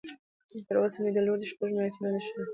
تر اوسه مې لور د شپږ مياشتو نه ده شوى.